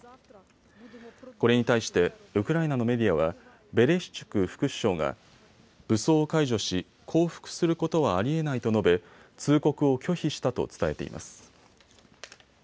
これに対してウクライナのメディアはベレシチュク副首相が武装を解除し降伏することはありえないと述べ通告を拒否したと伝えています。